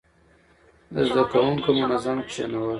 د زده کوونکو منظم کښينول،